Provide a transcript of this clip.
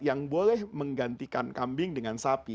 yang boleh menggantikan kambing dengan sapi